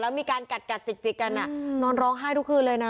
แล้วมีการกัดจิกกันนอนร้องไห้ทุกคืนเลยนะ